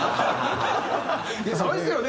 そうですよね。